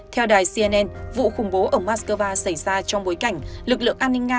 theo đài cnn vụ khủng bố ở moscow xảy ra trong bối cảnh lực lượng an ninh nga